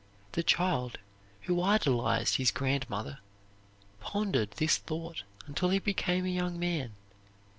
The boy, who idolized his grandmother, pondered this thought until he became a young man.